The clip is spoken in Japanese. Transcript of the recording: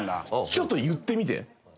ちょっと言ってみて。